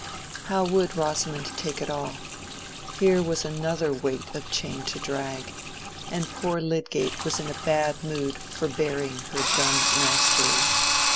How would Rosamond take it all? Here was another weight of chain to drag, and poor Lydgate was in a bad mood for bearing her dumb mastery.